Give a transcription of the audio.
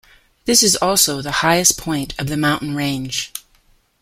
This is also the highest point of the mountain range.